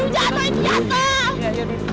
duduk yang bener tante